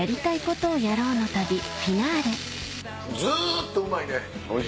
ずっとうまいね！